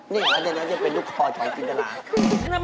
เดี๋ยวเป็นลูกคอยขอวินิลารา